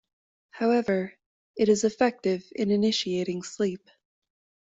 However, it is effective in initiating sleep.